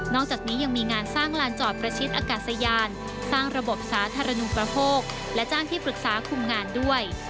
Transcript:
จากนี้ยังมีงานสร้างลานจอดประชิดอากาศยานสร้างระบบสาธารณูประโภคและจ้างที่ปรึกษาคุมงานด้วย